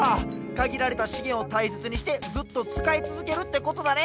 かぎられたしげんをたいせつにしてずっとつかいつづけるってことだね。